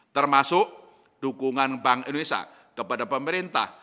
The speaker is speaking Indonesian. termasuk dukungan bank indonesia kepada pemerintah